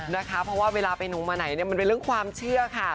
นะคะเพราะว่าเวลาไปหนูมาไหนเนี่ยมันเป็นเรื่องความเชื่อค่ะ